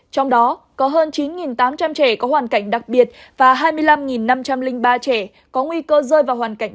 trong đó có hơn chín tám trăm linh trẻ có hoàn cảnh đặc biệt và hai mươi năm năm trăm linh ba trẻ có nguy cơ rơi vào hoàn cảnh